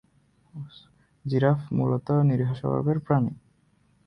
Giraffe মূলত নিরীহ স্বভাবের প্রাণী।